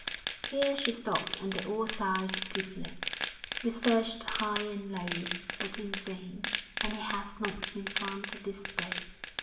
Here she stopped, and they all sighed deeply. 'We searched high and low, but in vain, and he has not been found to this day.